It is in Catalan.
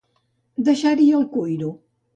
Deixar-hi el cuiro.